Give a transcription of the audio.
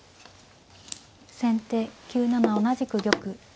先手９七同じく玉。